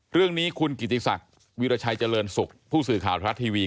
เรื่องนี้คุณกิติศักดิ์วิราชัยเจริญสุขผู้สื่อข่าวทรัฐทีวี